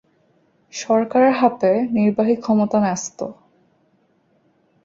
সরকারের হাতে নির্বাহী ক্ষমতা ন্যস্ত।